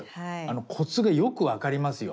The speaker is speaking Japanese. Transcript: コツがよく分かりますよ